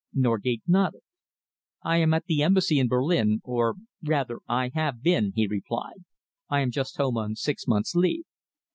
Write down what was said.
Norgate nodded. "I am at the Embassy in Berlin, or rather I have been," he replied. "I am just home on six months' leave."